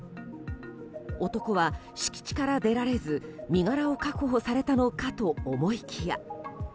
男は敷地から出られず身柄を確保されたのかと思いきや。